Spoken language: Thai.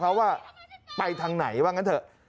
พอเขาว่าไปทางไหนบ้างกันเถอะ